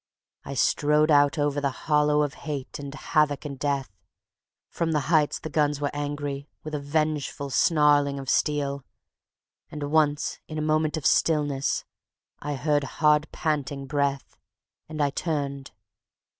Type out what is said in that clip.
I strode out over the hollow of hate and havoc and death, From the heights the guns were angry, with a vengeful snarling of steel; And once in a moment of stillness I heard hard panting breath, And I turned